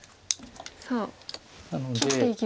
さあ切っていきました。